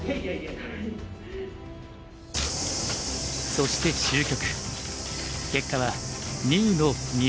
そして終局。